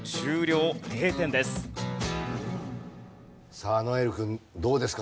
さあ如恵留君どうですか？